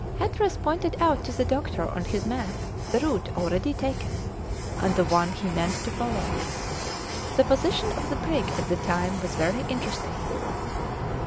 Hatteras pointed out to the doctor on his map the route already taken, and the one he meant to follow. The position of the brig at the time was very interesting.